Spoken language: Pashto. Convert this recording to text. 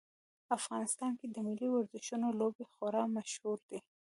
افغانستان کې د ملي ورزشونو لوبې خورا مشهورې دي